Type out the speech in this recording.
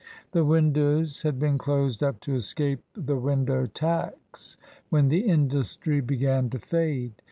The windows had been closed up to escape the window tax when the industry began to fade.